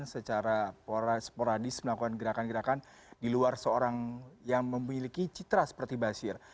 secara sporadis melakukan gerakan gerakan di luar seorang yang memiliki citra seperti basir